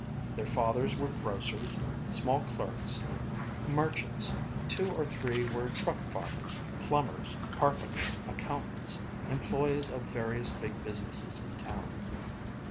Their fathers were grocers, small clerks, merchants, two or three were truck farmers, plumbers, carpenters, accountants, employees of various big businesses in town.